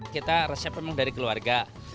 kita resep memang dari keluarga